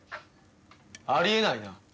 あり得ないな。